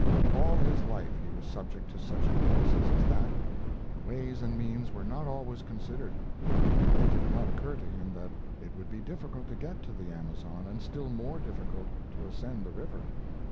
All his life he was subject to such impulses as that, and ways and means were not always considered. It did not occur to him that it would be difficult to get to the Amazon and still more difficult to ascend the river.